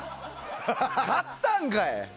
買ったんかい！